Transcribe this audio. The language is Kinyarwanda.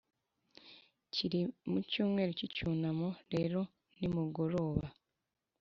cyiri mucyumweru kicyunamo rero nimugoroba